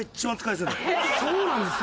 そうなんですか！